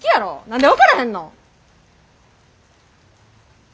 何で分からへんの？